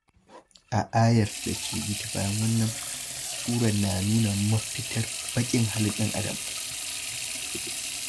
In the next Ayah the Sura presents the solution of human evilness.